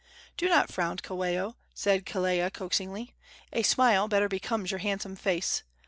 "Do not frown, Kawao," said Kelea, coaxingly; "a smile better becomes your handsome face.